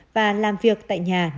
và làm việc tại nhà